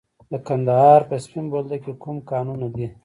د کندهار په سپین بولدک کې کوم کانونه دي؟